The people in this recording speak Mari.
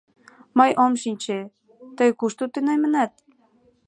Мый ом шинче, тый кушто тунемынат?